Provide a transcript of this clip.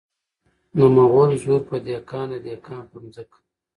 د مغل زور په دهقان د دهقان په ځمکه .